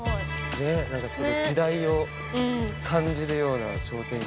ねっ何かすごい。時代を感じるような商店街。